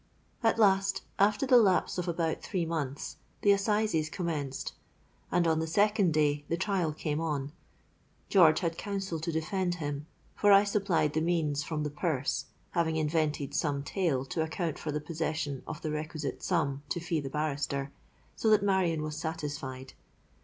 "At last, after the lapse of about three months, the Assizes commenced; and on the second day the trial came on. George had counsel to defend him: for I supplied the means from the purse, having invented some tale to account for the possession of the requisite sum to fee the barrister, so that Marion was satisfied.